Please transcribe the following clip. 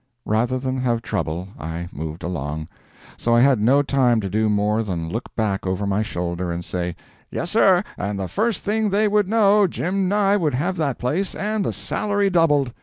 Rather than have trouble, I moved along. So I had no time to do more than look back over my shoulder and say: "Yes, sir, and the first thing they would know, Jim Nye would have that place, and the salary doubled!